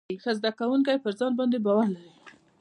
ښه زده کوونکي پر ځان باندې باور لري.